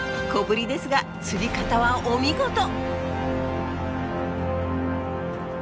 小ぶりですが釣り方はお見事！